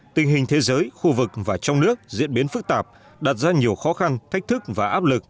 tình hình thế giới khu vực và trong nước diễn biến phức tạp đặt ra nhiều khó khăn thách thức và áp lực